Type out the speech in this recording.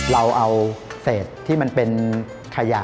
เราเอาเศษที่มันเป็นขยะ